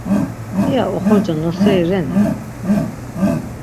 İya oxorca noseri reni?